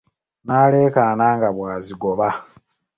Naalekaana nga bwazigoba .